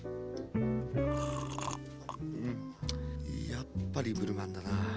やっぱりブルマンだな。